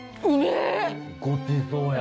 ごちそうや。